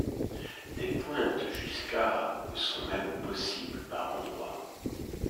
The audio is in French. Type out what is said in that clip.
Des pointes jusqu'à sont même possibles par endroits.